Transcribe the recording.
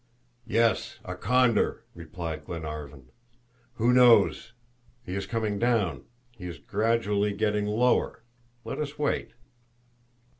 "Yes, a condor," replied Glenarvan. "Who knows? He is coming down he is gradually getting lower! Let us wait."